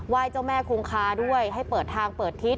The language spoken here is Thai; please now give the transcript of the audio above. เจ้าแม่คงคาด้วยให้เปิดทางเปิดทิศ